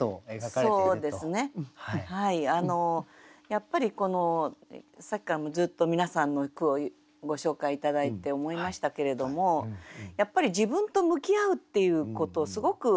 やっぱりさっきからもずっと皆さんの句をご紹介頂いて思いましたけれどもやっぱり自分と向き合うっていうことをすごく。